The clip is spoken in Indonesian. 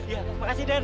ya makasih den